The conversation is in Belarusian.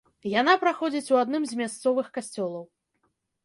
Яна праходзіць у адным з мясцовых касцёлаў.